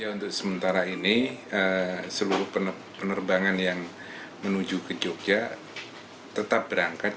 untuk sementara ini seluruh penerbangan yang menuju ke jogja tetap berangkat